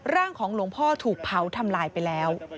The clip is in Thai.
ร่างของหลวงพ่อถูกเผาทำลายไปแล้ว